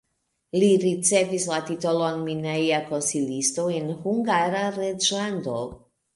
Li ricevis la titolon mineja konsilisto en Hungara reĝlando.